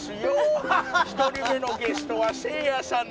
１人目のゲストはせいやさんです。